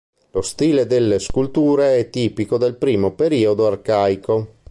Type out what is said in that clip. Lo stile delle sculture è tipico del primo periodo arcaico.